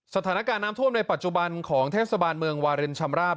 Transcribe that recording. สถานการณ์น้ำท่วมในปัจจุบันของเทศบาลเมืองวารินชำราบ